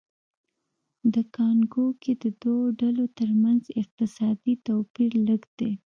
د کانګو کې د دوو ډلو ترمنځ اقتصادي توپیر لږ دی